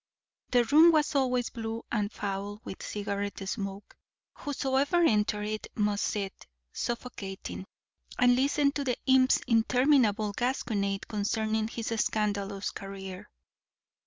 The room was always blue and foul with cigarette smoke; whosoever entered it must sit, suffocating, and listen to the imp's interminable gasconade concerning his scandalous career.